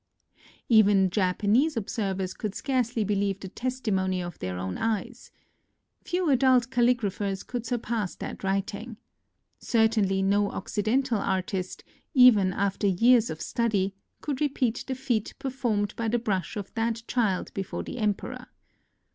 Even Japanese observers could scarcely be lieve the testimony of their own eyes. Few adult calligraphers could surpass that writ ing. Certainly no Occidental artist, even after years of study, could repeat the feat performed by the brush of that child before the Emperor.